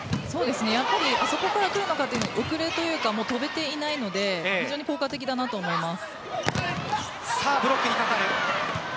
あそこから来るのかと遅れというか跳べていないので効果的だなと思います。